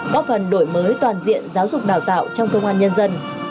góp phần đổi mới toàn diện giáo dục đào tạo trong công an nhân dân